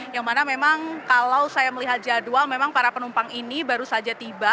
yang mana memang kalau saya melihat jadwal memang para penumpang ini baru saja tiba